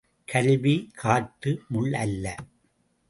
கல்வி, காட்டு முள் அல்ல.